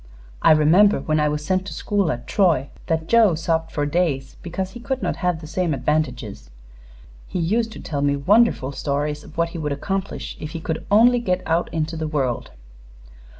I remember, when I was sent to school at Troy, that Joe sobbed for days because he could not have the same advantages. He used to tell me wonderful stories of what he would accomplish if he could only get out into the world.